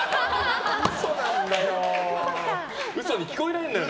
嘘なんだよ！